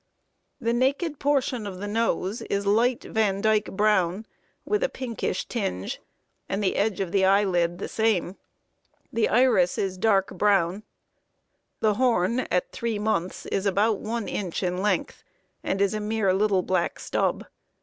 The naked portion of the nose is light Vandyke brown, with a pinkish tinge, and the edge of the eyelid the same. The iris is dark brown. The horn at three months is about 1 inch in length, and is a mere little black stub.